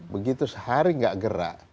begitu sehari gak gerak